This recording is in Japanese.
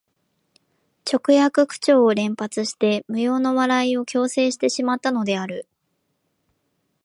直訳口調を連発して無用の笑いを強制してしまったのである